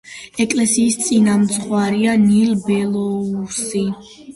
ეკლესიის წინამძღვარია ნილ ბელოუსოვი.